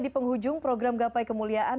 di penghujung program gapai kemuliaan